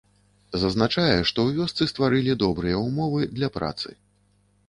Зазначае, што ў вёсцы стварылі добрыя ўмовы для працы.